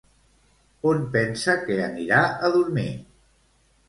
On pensa que anirà a dormir?